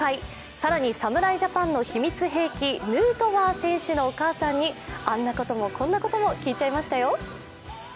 更に侍ジャパンの秘密兵器、ヌートバー選手のお母さんにあんなこともこんなことも聞いちゃいましたよ。